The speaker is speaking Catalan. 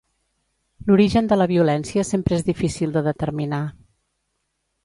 L'origen de la violència sempre és difícil de determinar.